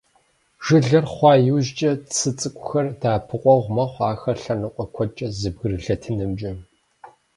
Жылэр хъуа иужькӀэ цы цӀыкӀухэр дэӀэпыкъуэгъу мэхъу ахэр лъэныкъуэ куэдкӀэ зэбгрылъэтынымкӀэ.